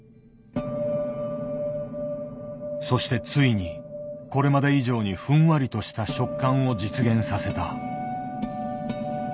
そしてついにこれまで以上にふんわりとした食感を実現させた。